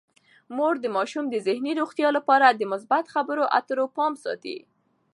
مور د ماشومانو د ذهني روغتیا لپاره د مثبت خبرو اترو پام ساتي.